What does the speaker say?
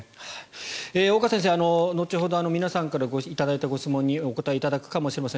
岡先生後ほど、皆さんから頂いたご質問にお答えいただくかもしれません。